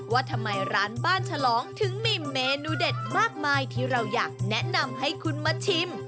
ว่าทำไมร้านบ้านฉลองถึงมีเมนูเด็ดมากมายที่เราอยากแนะนำให้คุณมาชิม